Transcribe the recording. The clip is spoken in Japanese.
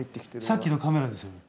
さっきのカメラですよね。